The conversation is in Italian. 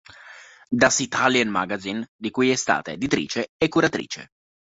Das Italien-Magazin", di cui è stata editrice e curatrice.